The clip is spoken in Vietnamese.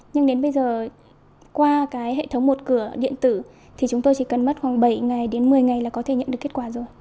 nhưng đến bây giờ qua cái hệ thống một cửa điện tử thì chúng tôi chỉ cần mất khoảng bảy ngày đến một mươi ngày là có thể nhận được kết quả rồi